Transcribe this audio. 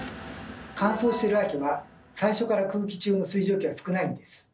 乾燥している秋は最初から空気中の水蒸気は少ないんです。